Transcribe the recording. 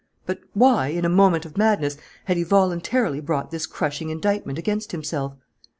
But why, in a moment of madness, had he voluntarily brought this crushing indictment against himself?